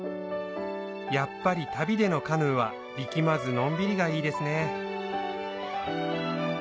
やっぱり旅でのカヌーは力まずのんびりがいいですね